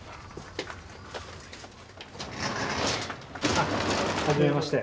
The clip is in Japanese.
あっ初めまして。